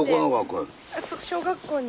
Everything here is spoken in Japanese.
小学校に。